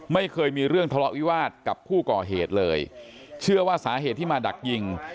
ไม่เคยมีเรื่องทะเลาะวิวาสกับผู้ก่อเหตุเลยเชื่อว่าสาเหตุที่มาดักยิง